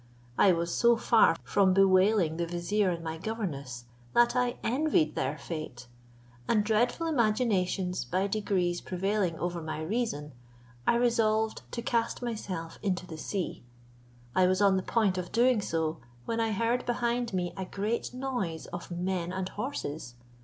I was so far from bewailing the vizier and my governess, that I envied their fate, and dreadful imaginations by degrees prevailing over my reason, I resolved to cast myself into the sea; I was on the point of doing so, when I heard behind me a great noise of men and horses.